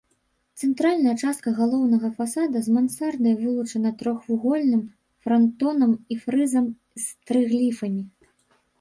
Цэнтральная частка галоўнага фасада з мансардай вылучана трохвугольным франтонам і фрызам з трыгліфамі.